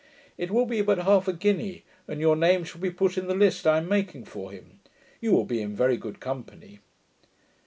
It will be but half a guinea, and your name shall be put in the list I am making for him. You will be in very good company.